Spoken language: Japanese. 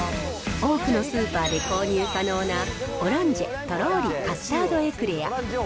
多くのスーパーで購入可能な、オランジェ、とろーりカスタードエクレア。